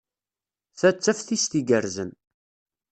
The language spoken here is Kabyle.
Ta d taftist igerrzen.